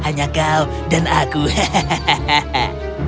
hanya kau dan aku hehehe